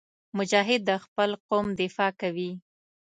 مجاهد د خپل قوم دفاع کوي.